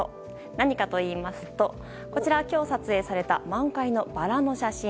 何かといいますとこちら、今日撮影された満開のバラの写真。